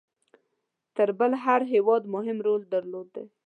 تر بل هر هیواد مهم رول درلودی.